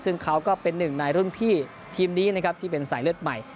ซึ่งเขาก็เป็นหนึ่งในรุ่นพี่ทีมนี้นะครับที่เป็นสายเลือดใหม่